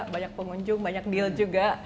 banyak pengunjung banyak deal juga